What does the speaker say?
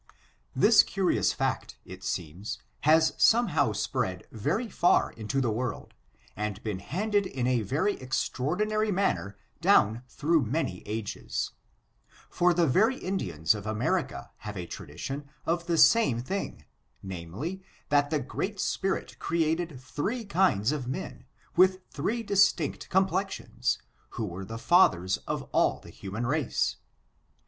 This curious fact, it seems, has somehow spread very far into the world and been handed in a very extraordinary manner down through many ages; for the very Indians of America have a tradition of the same thing, namely, that the Great Spirit created three kinds of men, with three distinct complexions, who were the fathers of all the human race.